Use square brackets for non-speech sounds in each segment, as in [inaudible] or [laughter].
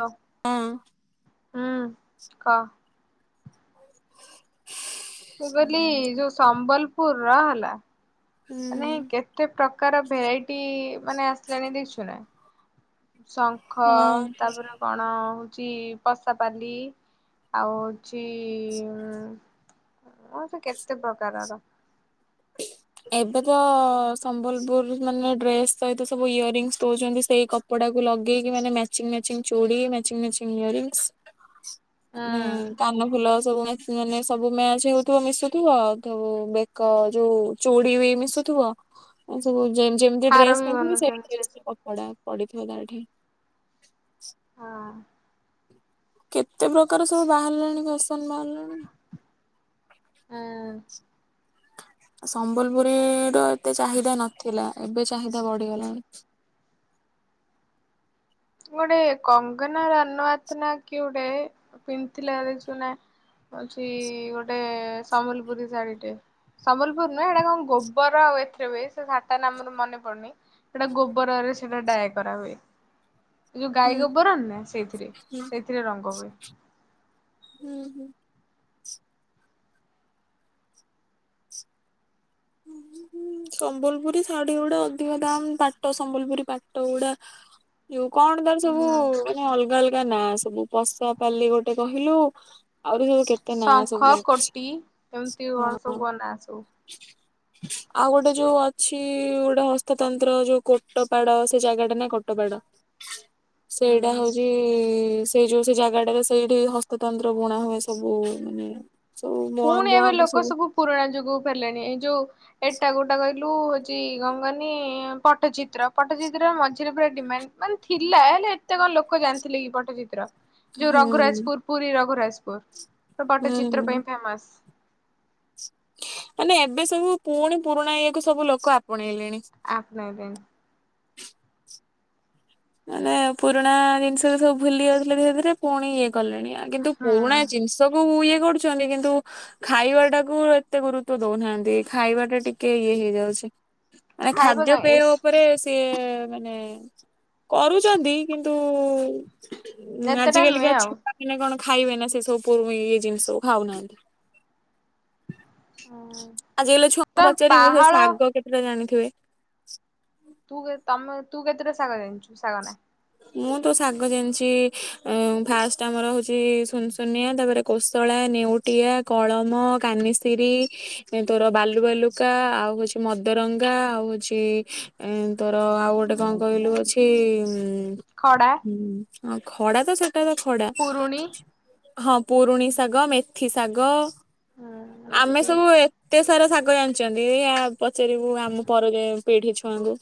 Hello ହୁଁ। ହୁଁ କ [inaudible] ମୁଁ କଇଲି ଯୋଉ ସମ୍ବଲ୍ ପୁରର ହେଲା ନାଇଁ କେତେ ପ୍ରକାର ଭେରାଇଟି ମାନେ ଆସିଲାଣି ଦେଖିଛୁ ନା। ଶଙ୍ଖ ହଁ ତାପରେ କଣ ଚି ପଷାପାଲି ଆଉ ଚି ଉଁ ଆଉ ସେ କେତେ ପ୍ରକାରର। ଏବେ ତ ସମ୍ବଲପୁର ମାନେ ଡ୍ରେସ୍ ସହିତ ସବୁ ଇୟରିଙ୍ଗସ୍ ଦଉଛନ୍ତି ସେଇ କପଡାକୁୁ ଲଗେଇକି ମାନେ ମ୍ୟାଚିଙ୍ଗ ମ୍ୟାଚିଙ୍ଗ ଚୁଡି ମ୍ୟାଚିଙ୍ଗ ମ୍ୟାଚିଙ୍ଗ ଇଅରିଙ୍ଗସ। ହୁଁ ମାନେ କାନ ଫୁଲ ସବୁ ମ୍ୟାଚ ମାନେ ସବୁ ମ୍ୟାଚ୍ ହେଉଥିବ ମିଶୁଥିବ ଆଉ ସବୁ ବେକ ଯୋଉ ଚୁଡି ବି ମିଶୁଥିବ ଏ ସବୁ ଯେ ଯେମିତି ହାର ଡ୍ରେସ ବି ପିନ୍ଧିବି ସେଇ ବନଉଛନ୍ତି ସେ ଡ୍ରେସର କପଡା ପଡିଥିବ ତାରଠି। ହଁ କେତେ ପ୍ରକାର ସବୁ ବାହାରିଲାଣି ଫେସନ ବାହାରଲା ଉଁ। ସମ୍ବଲପୁରୀ ର ଏତେ ଚାହିଦା ନଥିଲା। ଏବେ ଚାହିଦା ବଢିଗଲାଣି। ଗୋଟେ କଙ୍ଗନା ରାନୱତ ନା କିଏ ଗୋଟେ ପିନ୍ଧଥିଲା ଦେଖିଚୁନା ହୋଉଚି ଗୋଟେ ସମ୍ବଲପୁରୀ ଶାଢୀଟେ ସମ୍ବଲପୁର ନୁହଁ ହେଟା କଣ ଗୋବର ଆଉ ଏଥିରେ ହୁଏ ସେ ଶାଢୀଟା ନାଁ ମୋର ମନେପଡୁନି ସେଟା ଗୋବରରେ ସେଟା ଡାଏ କରାହୁଏ। ଏଇ ଯୋଉ ହୁଁ ଗାଈ ଗୋବର ନୁହନା ସେଇଥିରେ ହୁଁ ସେଇଥିରେ ରଙ୍ଗ ହୁଏ। ହୁଁ ହୁଁ। ଉଁହୁଁ ସମ୍ବଲପୁରୀ ଶାଢୀଗୁଡା ଅଧିକ ଦାମ ପାଟ ସମ୍ବଲପୁରୀ ପାଟଗୁଡା ଯୋଉ କଣ ତାର ସବୁ ହୁଁ ମାନେ ଅଲଗା ଅଲ ତା ନାଁ ସବୁ ପଶାପାଲି ଗୋଟେ କହିଲୁ ଆହୁରି ଯୋଉ ଶଙ୍ଖ କୋଟି ଏମତି କଣ ହଁ ସବୁ କଁ ନାଁ ସବୁ। ଆଉ ଗୋଟେ ଯୋଉ ଅଛି ଗୋଟେ ହସ୍ତତନ୍ତ୍ର ଯୋଉ କୋଟପାଡ ସେ ଜାଗାଟା ନାଁ କୋଟପାଡ। ସେଇଟା ହୁଁ। ହୋଉଚି। ସେଇ ଯୋଉ ସେ ଜାଗାଟାରେ ସେଇଠି ହସ୍ତତନ୍ତ୍ର ବୁଣାହୁଏ ସବୁ ମାନେ ସବୁ ବୁଣ ପୁଣି ଏବେ ବୁଣନ୍ତି ଲୋକ ସବୁ ପୁରୁଣା ଯୁଗକୁ ଫେରିଲେଣି ଏଇ ଯୋଉ ଏଟା କୋଉଟା କ କହିଲୁ ହୋଉଚି କଣ କହନି ପଟଚିତ୍ର ପଟ୍ଟଚିତ୍ର ମଝିରେ ପୁରା ଡିମାଣ୍ଡ ମାନେ ଥିଲା ହେଲେ ଏତେ କଣ ଲୋକ ଜାଣିଥିଲେ କି ପଟଚିତ୍ର। ହୁଁ ଯୋଉ ହୁଁ। ରଘୁରାଜପୁର ପୁରୀ ରଘୁୁରଜ ପ ତ ପଟଚିତ୍ର ହୁଁ। ପାଇଁ ବାସ୍ ନାଇଁ ଏବେ ସବୁ ପୁଣି ପୁରୁଣା ଇଏକୁ ସବୁ ଲୋକ ଆପଣେଇଲେ ଆପଣେଇଲେଣି। ମାନେ ପୁରୁଣା ଜିନିଷରେ ସବୁ ଭୁଲି ଯାଉଥିଲେ ଧୀରେ ଧୀରେ ପୁଣି ଇଏ କଲେଣି ଆଉ କିନ୍ତୁ ହୁଁ ପୁରୁଣା ଜିନିଷକୁ ଇଏ ଗଢୁଛନ୍ତି କିନ୍ତୁ ଖାଇବାଟାକୁ ଏତେ ଗୁରୁତ୍ବ ଦୋଉନାହାନ୍ତି ଖାଇବାଟା ଟିକେ ଇଏ ହେଇଯାଉଚି। ମାନେ ଖାଇବା କାଇଁ ଖାଦ୍ୟପେୟ ଇସ୍ ଉପରେ ସ୍ ଏଇ ମାନେ କରୁଚନ୍ତି କିନ୍ତୁ ଆଜି ଏତେଟା ନୁହେଁ କାଲିକା ଆଉ। ଛୁଆମାନେ କଣ ଖାଇବେନା ସେସବୁ ପୁରୁ ଇଏ ଜିନିଷକୁ ଖାଉନାହାନ୍ତି। ଆଜିକାଲିକା ତ ଛୁଆଙ୍କୁ ପଚାରିବୁ ସେ ପାହାଳ ଶାଗ କେତେଟା ଜାଣିଥି ହୁଏ। ତୁ କେ ତମେ ତୁ କେତେଟା ଶାଗ ଜାଣିଚୁ ଶାଗ ନାଁ? ମୁଁ ତ ଶାଗ ଜାଣିଚି ଅଁ ଫାଷ୍ଟ ଆମର ହେଉଚି ସୁନସୁନିଆ ତା ପରେ କୋଶଳା, ନେଉଟିଆ, କଳମ, କାନିସିିରି ତୋର ବାଲୁବାଲୁକା ଆଉ ଅଛି ମଦରଙ୍ଗା ଆଉ ଅଛି ଏଁ ତୋର ଆଉ ଗୋଟେ କଣ କହିଲୁ ଅଛି ଇଁ ହୁଁ। ଖଡା ହଁ ଖଡା ତ ସେ ହେଟା ତ ଖଡ଼ା ପୁରୁଣି ହଁ ପୁରୁଣି ଶାଗ, ମେଥି ଶାଗ ହୁଁ ଆମେ ମେଥି ସବୁ ଏ ଏତେ ସାରା ଶାଗ ଜାଣିଚନ୍ତି ଏଇ ଆ ପଚାରିବୁ ଆମ ପରରେ ପିଢି ଛୁଆଙ୍କୁ।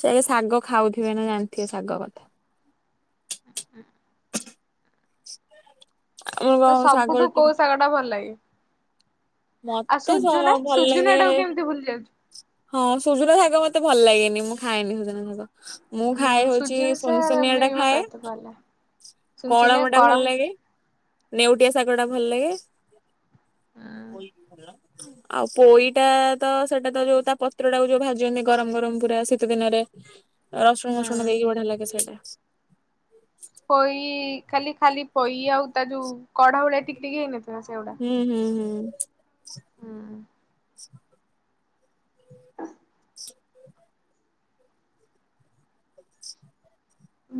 ସେଇ ଶାଗ ଖାଉଥିବେ ନା ଜାଣିଥିବେ ଶାଗ କଥା। [unintelligible] ଆମର ତ କଣ ସବୁଠୁ କୋଉ ଶାଗ ଟା ଭଲ ଲାଗେ? ଆଉ ମତେ ସ ସୁଜୁନା ଭଲ ସୁଜୁନା ଲାଗେ ଟାକୁ କେମିତି ଭୁଲି ଯାଉଚୁ। ହଁ ସୁଜନା ଶାଗ ମତେ ଭଲ ଲାଗେନି ମୁଁ ଖାଏନି ସୁଜନା ଶାଗ। ମୁଁ ଖାଏ ହୁଁ ହଉଚି ସୁଜୁନା ସାର୍ ସୁନସୁନିଆ ବି ଟା ମତେ ଖାଏ। ଏତେ ଭଲ କଳମ ଟା ଭଲ ଲାଗେ। ନେଉଟିଆ ଶାଗ ଟା ଭଲ ଲାଗେ। ହୁଁ ପୋଇ ଭଲ ଆଉ ପୋଇଟା ତ ସେଟା ତ ଯୋଉ ତା ପତ୍ରଟାକୁ ଯୋଉ ଭାଜିନି ଗରମ ଗରମ ପୁରା ଶୀତ ଦିନରେ ରସୁଣ ହୁଁ। ଫସୁଣ ଦେଇକି ବଢିଆ ଲାଗେ ସେଟା। ପୋଇ ଖାଲି ଖାଲି ପୋଇ ଆଉ ତା ଯୋଉ କଢ ଭଳିଆ ଟିକ ଟିକ ହେଇନଥା ହୁଁ ହୁଁ ହୁଁ [inaudible] ହୁଁ।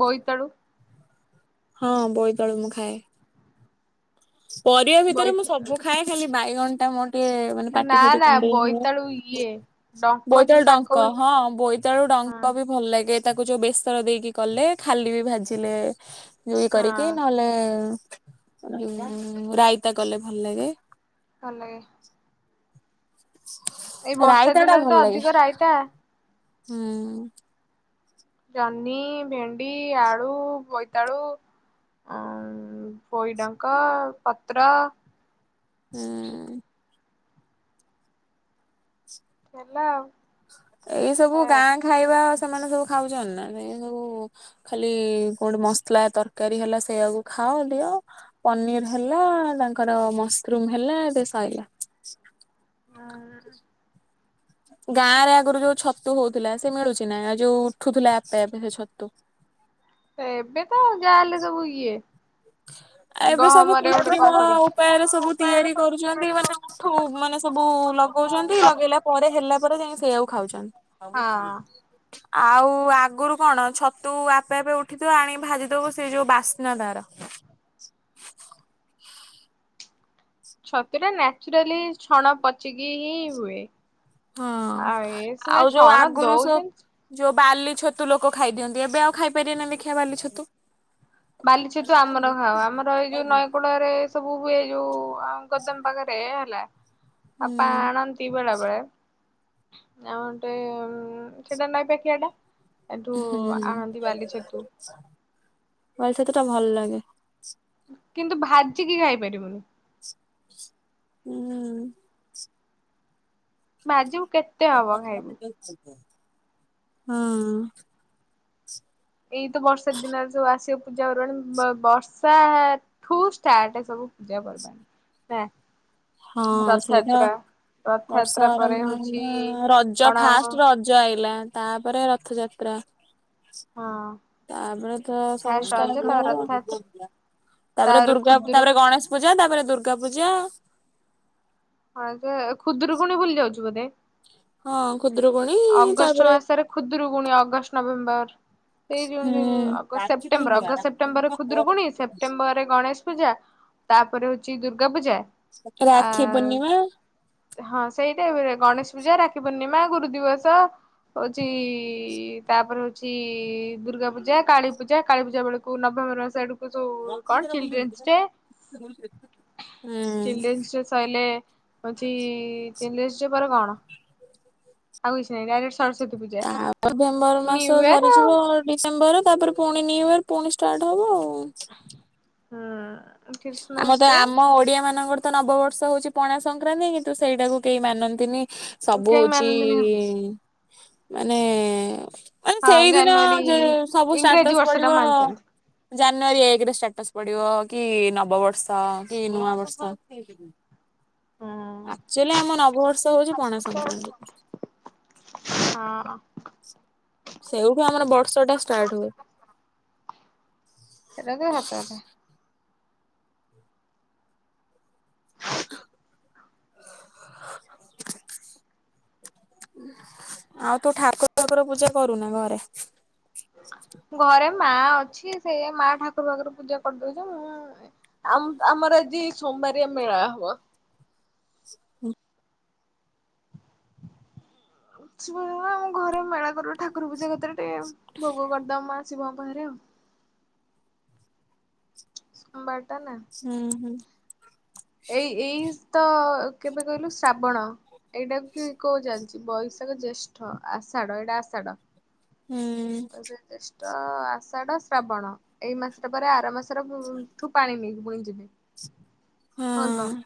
ବୋଇତ ଆଳୁ। ହଁ ବୋଇତ ଆଳୁ ମୁଁ ଖାଏ। ପରିବା ଭିତରେ ବୋଇ ମୁଁ ସବୁ ଖାଏ। ଖାଲି ବାଇଗଣ ଟମାଟ୍ ଟିକେ ମାନେ ପାଟି ନା ଫାଟି ନା କୁଣ୍ଡେଇ ହୁଏ। ବୋଇତାଳୁ ଇଏ ଡଙ୍କ ଯୋଉ ବୋଇତାଳୁ ଶାଗ ଡଙ୍କ ହୁଏ ହଁ ବୋଇତାଳୁ ହଁ ଡଙ୍କ ବି ଭଲ ଲାଗେ। ତାକୁ ଯୋଉ ବେସର ଦେଇକି କଲେ ଖାଲି ବି ଭାଜିଲେ ଜୁଇ ହଁ କରିକି ନହେଲେ [unintelligible] ଉଁ ରାଇତା କଲେ ଭଲ ଲାଗେ। ଭଲ ଲାଗେ। ଏଇ ବର୍ଷା ରାଇତା ଟା ଦିନରେ ଭଲ ତ ଲାଗେ ଅଧିକ ରାଇତା। ହୁଁ। ଜହ୍ନି, ଭେଣ୍ଡି, ଆଳୁ, ବୋଇତାଳୁ, ପୋଇଡଙ୍କ ପତ୍ର ହୁଁ ହେଲାଉ ଏଇ ସବୁ ଗାଁ ଖାଇବା ସେମାନେ ସବୁ ଖାଉଛନ୍ତି ନା ଏ ସବୁ ଖାଲି କୋଉଠି ମସଲା ତରକାରି ହେଲା ସେଇଆକୁ ଖାଅ ଦିଅ ପନିର୍ ହେଲା ତାଙ୍କର ମସରୁମ୍ ହେଲା ଦେ ସଇଲା ହଁ [unintelligible] ଗାଁ ରେ ଆଗରୁ ଯୋଉ ଛତୁ ହଉଥିଲା ସେ ମିଳୁଛି ନା ଆଉ ଯୋଉ ଉଠୁଥିଲା ଆପେ ଆପେ ସେ ଛତୁ ଏବେ ତ ଯାହାହେଲେ ସବୁ ଇଏ ଏବେ ସବୁ ଗହମରେ ଗୋଟେ କୃତ୍ରିମ କଣ କରିକି ଉପାୟରେ ସବୁ ତିଆରି କରୁଛନ୍ତି ମାନେ ଉଠୁ ମାନେ ସବୁ ଲଗଉଛନ୍ତି ଲଗେଇଲା ପରେ ହେଲା ପରେ ଯାଇ ସେ ଖାଉଛନ୍ ଆବୁ ସୁ ହଁ [unintelligible] ଆଉ ଆଗରୁ କଣ ଛତୁ ଆପେ ଆପେ ଉଠିଥିବ ଆଣିକି ଭାଜିଦବୁ ସେଇ ଯୋଉ ବାସ୍ନା ତାର ଛତୁ ଟା ନ୍ୟଚୁରାଲି ଛଣ ପଚକି ହିଁ ହୁଏ ହଁ ଆଉ ଏ ସିନା ଆଉ ଯୋଉ ଛଣ ଆଗରୁ ସେ ଦଉଛନ୍ତି ଯୋ ବାଲି ଛତୁ ଲୋକ ଖାଇ ଦିଅନ୍ତି ଏବେ ଆଉ ଖାଇପାରିବେନା ଦେଖିବା ବାଲି ଛତୁ ବାଲି ଛେତୁ ଆମର ଖାଅ ଆମର ଏଇ ଯୋଉ ନଈକୂଳରେ ସବୁ ହୁଏ ଯୋଉ ପାଂ ଗୋଦମ୍ ପାଖରେ ହେଲା ହୁଁ ବାପା ଆଣନ୍ତି ବେଳେ ବେଳେ ଆଉଟେ ସେଇଟା ନଈ ପାଖିଆଟା ହୁଁ [unintelligible] କେତେଟା ଭଲ ଲାଗେ କିନ୍ତୁ ଭାଜିିକି ଖାଇପାରିବୁନି ହୁଁ ବାଜୁ କେତେ ହବ ଖାଇବୁ। ହଁ। ଏଇତ ବର୍ଷା ଦିନରେ ସବୁ ଆସିବ ପୂଜାପର୍ବାଣୀ ବ-ବର୍ଷାଠୁ ଷ୍ଟାର୍ଟ ସବୁ ପୂଜା ପର୍ବାଣୀ ନା। ହଁ ସେଇଟା ରଥଯାତ୍ରା ବର୍ଷା ରଥଯାତ୍ରା ପରେ ଆରମ୍ଭ ହଉଛି ହେଲା ରଜ କଣ ଫାର୍ଷ୍ଟ ହଁ ରଜ ଆଇଲା। ତାପରେ ରଥଯାତ୍ରା। ତାପରେ ତ ସବୁ ଫାଷ୍ଟ ରଜ ଷ୍ଟାର୍ଟ ତାପରେ ହେଲା ରଥଯାତ୍ରା [unintelligible] ତାପରେ ଦୁର୍ଗା ପୂ ତାପରେ ଗଣେଶ ପୂଜା ତାପରେ। ଦୁର୍ଗା ପୂଜା। ହଁ ଯେ ଖୁଦୁରୁକୁୁଣି ଭୁଲି ଯାଉଛି ବୋଧେ। ହଁ। ଖୁଦୁରୁକୁଣୀ ଅଗଷ୍ଟ ତାପରେ ମାସରେ ଖୁଦୁରୁକୁଣି ଅଗଷ୍ଟ ନଭେମ୍ବର ସେଇ ହୁଁ ଜୁନ୍ ସେପ୍ଟେମ୍ବର ଅଗଷ୍ଟ ସେପ୍ଟେମ୍ବରରେ ଖୁଦରୁକୁୁଣି ସେପ୍ଟେମ୍ବରରେ ଗଣେଶ ପୂଜା ତାପରେ ହଉଛି ଦୁର୍ଗା ପୂଜା। ସତରେ ଆ ରାକ୍ଷୀ ପୂର୍ଣ୍ଣିମା। ହଁ ସେଇ ଗଣେଶ ପୂଜା ରାକ୍ଷୀ ପର୍ଣ୍ଣିମା ଗୁରୁ ଦିବ ହଉଛି ତାପରେ ହଉଛି ଦୁର୍ଗା ପୂଜା, କାଳୀ ପୂଜା, କାଳୀ ପୂଜା ବେଳକୁ ନଭେମ୍ବର ମାସ ଆଡ଼କୁ ସୁ କଣ ଚିଲଡ୍ରେନ୍ସ ଡେ ହୁଁ ଚିଲଡ୍ରେନ୍ସ ଡେ ସଇଲେ ହଉଛି ଚିଲଡ୍ରେନ୍ସ ଡେ ପରେ କଣ? ଆଉ କିଛି ନାଇ ଡାଇରେକ୍ଟ ସରସ ତାପ ନଭେମ୍ବର ମାସ ଆଉ। ସରିଯିବ ଡିସେମ୍ବର ତାପରେ ପୁଣି ନ୍ୟୁ ଇୟର। ପୁଣି ଷ୍ଟାର୍ଟ ହବ ଆଉ। ହୁଁ। ଆମର ଖ୍ରୀଷ୍ଟମାସ ତ ଟା ଆମ ଓଡିଆ ମାନଙ୍କର ତ ନବବର୍ଷ ହଉଛି ପଣା ସଂକ୍ରାନ୍ତି କିନ୍ତୁ ସେଇଟାକୁ କେହି ମାନନ୍ତିନି। ସବୁ କେହି ହଉଚି ମାନନ୍ତିନି ମାନେ ମାନେ ହଁ ସେଇଦିନ ଜାନୁଆରୀ ଯେ ସବୁ ଇଂରାଜୀ ଷ୍ଟାଟସ୍ ବର୍ଷ ଟା ପଡିବ ମାନୁଛନ୍ତି। ଜାନୁଆରୀ ଏକ ରେ ଷ୍ଟାଟସ୍ ପଡିବ କି ନବବର୍ଷ କି ନୂଆ ବର୍ଷ। ହଁ ଆକ୍ଚୁଆଲି ଆମ ନବବର୍ଷ ହଉଛି ପଣା ସଂକ୍ରାନ୍ତି। ସେଉଠୁ ଆମର ବର୍ଷ ଟା ଷ୍ଟାର୍ଟ ହୁଏ। ସେଇଟା ତ ସତ କଥା। [inaudible] ଆଉ ତୁ ଠାକୁରଙ୍କର ପୂଜା କରୁନା ଘରେ? ଘରେ ମା ଅଛି ସେ ମା ଠାକୁର ବାକୁର ପୂଜା କରିଦଉଛି ମୁଁ ଆମ ଆମର ଆଜି ସୋମବାରିଆ ମେଳା ହବ। ହୁଁ। ଉତ୍ସୁ ପୂର୍ଣ୍ଣିମା ଆମ ଘରେ ମେଳା କରୁ ଠାକୁର ପୂଜା କାତିରେ [inaudible] ଶିବ ଙ୍କ ପାଖରେ ଆଉ। ସୋମବାର ଟା ନା ହୁଁ ହୁଁ। ଏଇ ଏଇ ତ କେବେ କହିଲୁ ଶ୍ରାବଣ ଏଇଟା କି କୋଉ ଚାଲିଛି? ବୈଶାଖ ଜ୍ୟେଷ୍ଠ ଆଷାଢ ଏଇଟା ଆଷାଢ। ହୁଁ ଆଚ୍ଛା। ଆଷାଢ ଶ୍ରାବଣ ଏଇ ମାସଟା ପରେ ଆର ମାସ ଠୁ ପାଣି ନେଇକି ପୁଣି [unintelligible] ହଁ। ବୋଲବମ୍।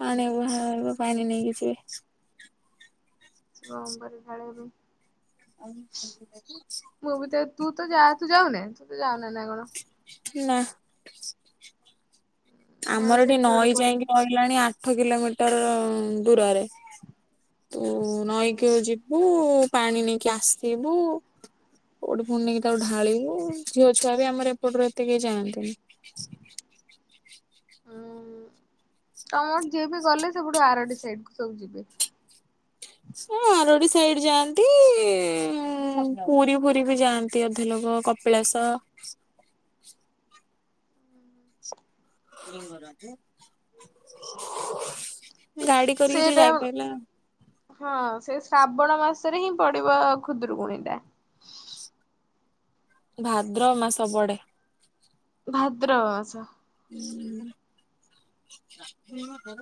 ପାଣି ବୁହା ହବ। ପାଣି ନେଇକି ଯିବେ। [unintelligible] ଆ ମୁଁ ବି ତ ତୁ ତ ଯା ତୁ ଯାଉନେ ତୁ ତ ତା ନାଁ କଣ? ନା ମୋର ଆମର ଏଠି ସେଠି ଗୋଟେ ନଈ ପଡିବ ଯାଇକି ରହିଲାଣି ଆ ଆଠ କିଲୋମିଟର ଦୂରରେ ତୁ ନଈକିଉ ଯିବୁ ପାଣି ନେଇକି ଆସିବୁ ପୁଣି ନେଇକି ତାକୁ ଢାଳିବୁ ଝିଅ ଛୁଆ ବି ଆମର ଏପଟରୁ ଏତେ କେହି ଜାଣନ୍ତିନି ହ ହୁଁ ତମର ଯିଏ ବି ଗଲେ ସେବୁଠୁ ଆରଡି ସାଇଡ କୁ ସବୁ ଯିବେ ହଁ ଆରଡି ସାଇଡ ଯାଆନ୍ତି ପୁରୀ ଫୁରୀ ବି ଯାଆନ୍ତି ଅଧେ ଲୋକ କପିଳାସ [inaudible] ଗାଡି କରିକି ଯେ ସେଇଟା ଯାଇପାରିଲ। ହଁ ସେ ଶ୍ରାବଣ ମାସରେ ହିଁ ପଡିବ ଖୁଦରୁକୁୁଣୀ ଟା। ଭାଦ୍ରବ ମାସ ପଡ଼େ। ଭାଦ୍ରବ ମାସ ହୁଁ ହଁ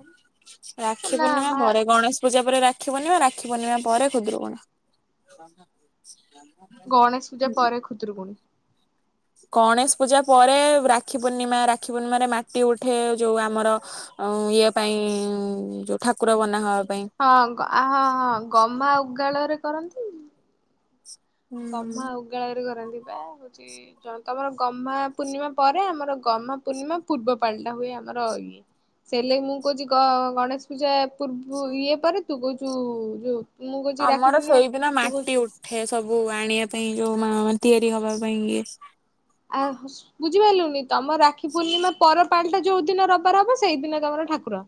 ରାକ୍ଷୀ ନା ପୂର୍ଣ୍ଣିମା ଭା ପରେ ଗଣେଶ ପୂଜା ପରେ ରାକ୍ଷୀ ପୁର୍ଣିମା, ରାକ୍ଷୀ ପୂର୍ଣିମା ପରେ ଖୁଦୁରୁକୁଣୀ। ଗଣେଶ ପୂଜା ପରେ ଖୁଦୁରୁକୁଣୀ। ଗଣେଶ ପୂଜା ପରେ ରାକ୍ଷୀ ପୂର୍ଣ୍ଣିମା ରାକ୍ଷୀ ପୂର୍ଣ୍ଣିମାରେ ମାଟି ଉଠେ ଯୋଉ ଆମର ଇଏ ପାଇଁ ଯୋଉ ଠାକୁର ବନା ହବା ପାଇଁ। ହଁ ହଁ ହଁ ଗମା ଆଉ ଉଗାଳରେ କରନ୍ତି। କମା ହୁଁ ଉଗାଳରେ କରନ୍ତି। ହଉଛି ବା ହଉଛି ଯ ତମର ଗହ୍ମା ପୂର୍ଣ୍ଣିମା ପରେ ଆମର ଗହ୍ମା ପୂର୍ଣ୍ଣିମା ପୂର୍ବ ପାାଳିଟା ହୁଏ। ଆମର ଇଏ ସେ ଲାଗି ମୁଁ କହୁଛି ଗ ଗଣେଶ ପୂଜା ପୂର୍ବ ଇଏ ପରେ ତୁ କହୁଛୁ ଯୁ ଆମର ସେଇଦିନ ମାଟି ଉଠେ ସବୁ ଆଣିବା ପାଇଁ ଯୋଉ ତିଆରି ହବା ପାଇଁ ଇଏ ଆ ବୁଝିପାରିଲୁନି? ତମ ରାକ୍ଷୀ ପୂର୍ଣ୍ଣିମା ପର ପାଳିଟା ଯୋଉ ଦିନ ରବିବାର ହବ ସେଇ ଦିନ ତମର ଠାକୁର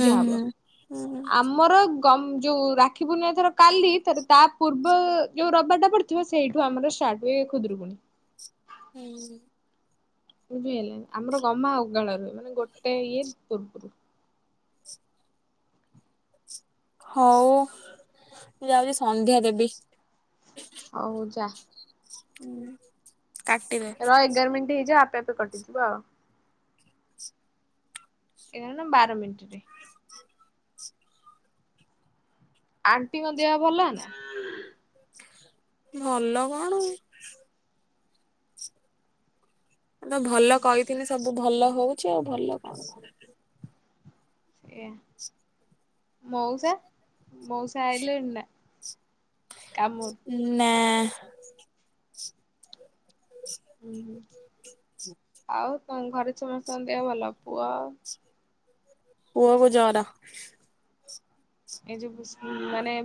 ହୁଁ ହବ ହୁଁ ହୁଁ। ଆମର କମ ଯୋଉ ରାକ୍ଷୀ ପୁର୍ଣ୍ଣିମା କାଲି ତା ପୂର୍ବ ଯୋଉ ରବିବାର ଟା ପଡିଥିବ ସେଇଠୁ ଆମର ଷ୍ଟାର୍ଟ ହୁଏ ଖୁଦରୁକୁୁଣୀ। ହୁଁ। ବୁଝି ହେଲା ଆମର ଗମା ଉଗାଳ ରୁ ମାନେ ଗୋଟେ ଇଏ ପୂର୍ବରୁ। ହଉ ମୁଁ ଯାଉଛି ସନ୍ଧ୍ୟା ଦେବି। ହଉ ଯା। ଉଁ। ରହ ଏଗାର ମିନିଟ ହେଇଯା ଆପେ ଆପେ। ଏ କଟିଯିବ ଆଉ। ଏଗାର ନା ବାର ମିନିଟରେ। ଆଣ୍ଟିଙ୍କ ଦେହ ଭଲ ନା। ଭଲ କଣ। ମୁତ ଭଲ କହିଥିଲି ସବୁ ଭଲ ହଉଛି ଆଉ ଭଲ କଣ? ସେଆ ମଉସା ମଉସା ଆଇଲେଣି ନା? କାମରୁ ନା। ହୁଁ ହୁଁ ଆଉ। ତମ ଘରେ ସମସ୍ତଙ୍କ ଦେହ ଭଲ ପୁଅ। ପୁଅକୁ ଜର। ଏଇ ଯୋଉ ମାନେ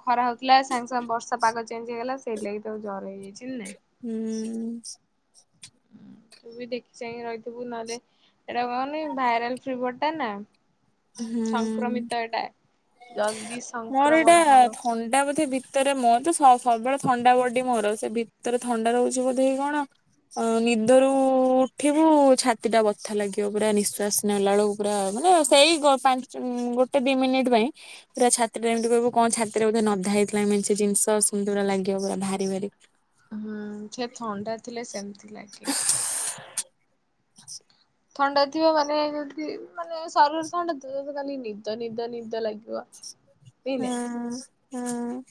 ଖରା ହଉଥିଲା ସାଙ୍ଗେ ସାଙ୍ଗେ ବର୍ଷା ପାଗ ଚେଞ୍ଜ ହେଇଗଲା ସେଇ ଲାଗି ତା କୁ ଜର ହେଇଯାଇଛି ନାଇଁ। ହୁଁ। ତୁ ବି ଦେଖି ଚାହିଁ ରହିଥିବୁ ନହଲେ ଏଟା କଣନି ଭାଇରାଲ ଫିଭର ଟା ନା। ହୁଁ ସଂକ୍ରମିତ ଏଇଟା ଜଲ୍ଦି ମୋର ଏଇଟା ସଂକ୍ରମଣ ହବ। ଥଣ୍ଡା ବୋଧେ ଭିତରେ ମୋ ତ ସବୁବେଳେ ଥଣ୍ଡା ବଡି ମୋର ସେ ଭି ଭିତରେ ଥଣ୍ଡା ରହୁଛି ବୋଧେ କଣ ନିଦରୁ ଉଠିବୁ ଛାତି ଟା ବଥା ଲାଗିବ ପୁରା ନିଶ୍ଵାସ ନେଲା ବେଳକୁ ପୁରା ମାନେ। ସେଇ ଗୋ ପାଞ୍ଚ ଗୋଟେ ଦି ମିନିଟ୍ ପାଇଁ ପୁରା ଛାତିଟା ଯେମିତି କହିବୁ କଣ ଛାତିରେ ବୋଧେ ନଦା ହେଇଥିଲା ମେଞ୍ଚେ ଜିନିଷ ସେମିତି ପୁରା ଲାଗିବ ପୁରା ଭାରି ଭାରି। ହୁଁ ସେ ଥଣ୍ଡା ଥିଲେ ସେମିତି ଲାଗେ। ଥଣ୍ଡା ଥିବା ମାନେ ଯଦି ମାନେ ସରୀର ରେ ଥଣ୍ଡା ଥିବ ତତେ ଖାଲି ନିଦ ନିଦ ନିଦ ଲାଗିବ। ଏଇନେ ହୁଁ ହୁଁ।